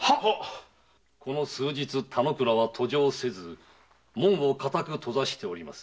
この数日田之倉は登城せず門を堅く閉ざしております。